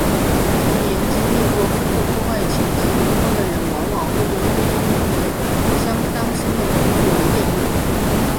童年经历过父母婚外情及离婚的人往往会对结婚生子有着相当深的恐惧和厌恶。